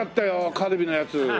カルビのやつ。